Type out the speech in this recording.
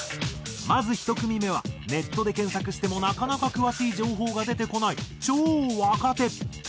まず１組目はネットで検索してもなかなか詳しい情報が出てこない超若手。